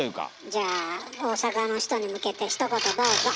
じゃあ大阪の人に向けてひと言どうぞ。